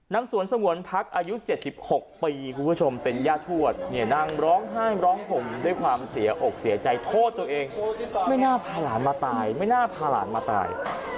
นางสวนสมวนพักอายุ๗๖เป็นย่าทวดนั่งร้องห้ายร้องห่มด้วยความเสียอกเสียใจโทษตัวเองไม่น่าพาหลานมาตาย